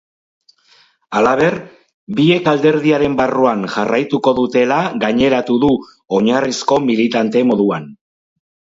Halaber, biek alderdiaren barruan jarraituko dutela gaineratu du oinarrizko militante moduan.